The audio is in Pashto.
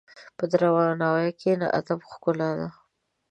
په درناوي کښېنه، ادب ښکلا ده.